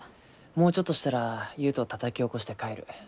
もうちょっとしたら悠人たたき起こして帰る。